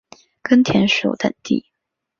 根田鼠等地。